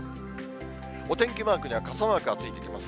お天気マークでは傘マークがついています。